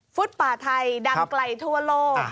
ป่าไทยดังไกลทั่วโลก